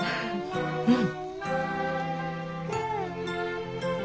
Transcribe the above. うん。